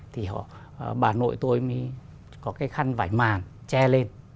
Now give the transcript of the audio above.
thì bà nội tôi mới có cái khăn vải màn tre lên